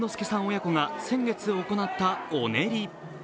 親子が先月行った、お練り。